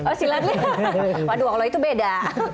oh silat lidah waduh kalau itu beda